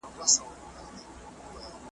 نوح ته ولاړم تر توپانه .